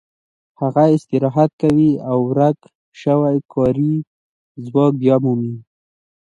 هغه استراحت کوي او ورک شوی کاري ځواک بیا مومي